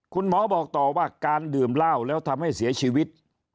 คุณหมอบอกต่อว่าการดื่มเหล้าแล้วทำให้เสียชีวิต